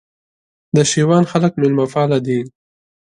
د شېوان خلک مېلمه پاله دي